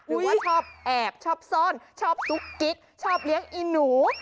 หรือว่าชอบแอบชอบซ่อนชอบซุกกิ๊กชอบเลี้ยงอีหนู